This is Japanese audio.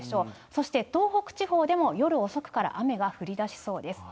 そして東北地方でも、夜遅くから雨が降りだしそうです。